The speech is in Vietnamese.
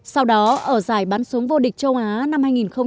sau đó ở giải bắn súng vô địch châu á năm hai nghìn hai mươi